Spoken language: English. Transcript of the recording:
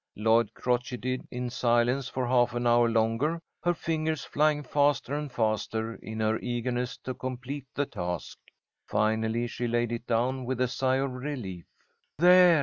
Lloyd crocheted in silence for half an hour longer, her fingers flying faster and faster in her eagerness to complete the task. Finally she laid it down with a sigh of relief. "There!"